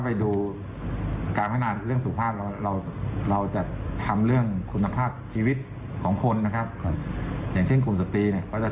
ก็ไปดูการพัฒนาเรื่องสุภาพเราจะทำเรื่องคุณภาพชีวิตของคนนะครับ